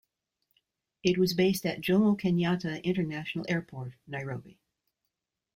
It was based at Jomo Kenyatta International Airport, Nairobi.